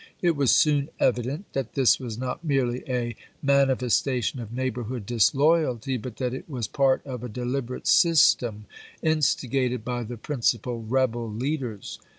It was soon evident that this was not merely a manifes tation of neighborhood disloyalty, but that it was part of a deliberate system instigated by the prin cipal rebel leaders.